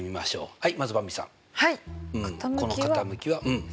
はい。